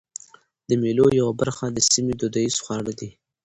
د مېلو یوه برخه د سیمي دودیز خواړه دي.